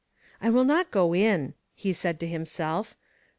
I will not go in," he said to himself.